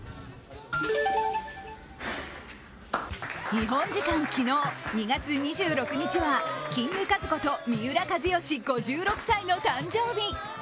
日本時間昨日、２月２６日はキングカズこと三浦知良５６歳の誕生日。